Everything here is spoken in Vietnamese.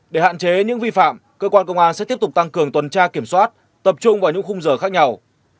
để hạn chế những vi phạm cơ quan công an sẽ tiếp tục tăng cường tuần tra kiểm soát tập trung vào những khung giờ khác nhau